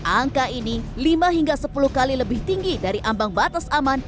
angka ini lima hingga sepuluh kali lebih tinggi dari ambang batas aman